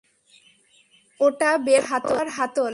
ওটা বের হওয়ার হাতল।